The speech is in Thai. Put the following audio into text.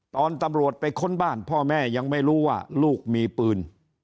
ตอนตำรวจไปค้นบ้านพ่อแม่ยังไม่รู้ว่าลูกมีปืน